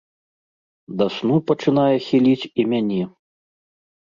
Да сну пачынае хіліць і мяне.